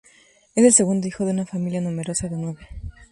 Es el segundo hijo de una familia numerosa de nueve.